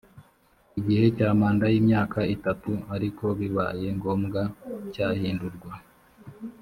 igihe cya manda y imyaka itatu ariko bibaye ngombwa cyahindurwa